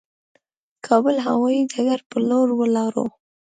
کابل هوايي ډګر پر لور ولاړو.